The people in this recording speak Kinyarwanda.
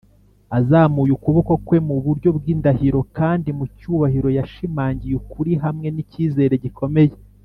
Azamuye ukuboko kwe mu buryo bw’indahiro, kandi mu cyubahiro, yashimangiye ukuri hamwe n’icyizere gikomeye